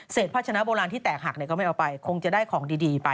ภาชนะโบราณที่แตกหักก็ไม่เอาไปคงจะได้ของดีไป